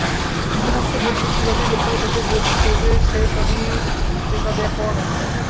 বিভিন্নত্ব ভেদবুদ্ধি যতই লোপ পাবে, ততই বোধ করবে যে সবই এক পরমাত্মা।